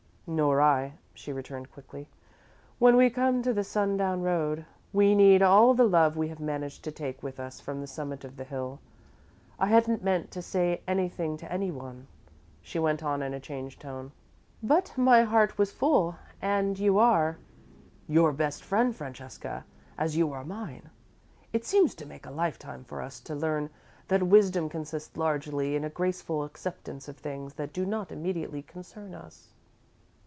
"Nor I," she returned, quickly. "When we come to the sundown road, we need all the love we have managed to take with us from the summit of the hill. I hadn't meant to say anything to anyone," she went on, in a changed tone, "but my heart was full, and you are " "Your best friend, Francesca, as you are mine. It seems to take a lifetime for us to learn that wisdom consists largely in a graceful acceptance of things that do not immediately concern us."